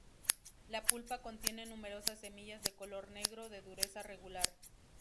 La pulpa contiene numerosas semillas de color negro, de dureza regular.